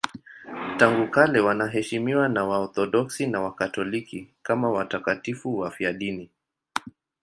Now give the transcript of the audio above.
Tangu kale wanaheshimiwa na Waorthodoksi na Wakatoliki kama watakatifu wafiadini.